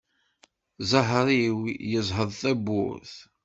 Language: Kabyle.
Ẓẓher-iw yeẓheḍ tabburt.